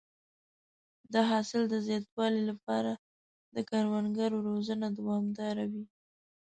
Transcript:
د حاصل د زیاتوالي لپاره د کروندګرو روزنه دوامداره وي.